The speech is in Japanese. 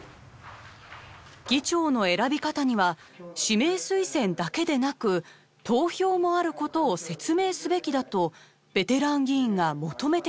議長の選び方には指名推薦だけでなく投票もあることを説明すべきだとベテラン議員が求めてきました。